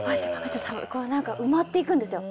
こう何か埋まっていくんですよ。